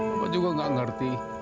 bapak juga gak ngerti